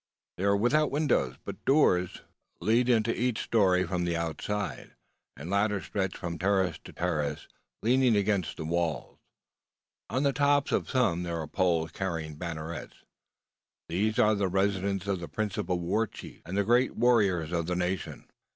They are without windows, but doors lead into each story from the outside; and ladders stretch from terrace to terrace, leaning against the walls. On the tops of some there are poles carrying bannerets. These are the residences of the principal war chiefs and great warriors of the nation.